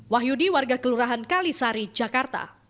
wahyudi warga kelurahan kalisari jakarta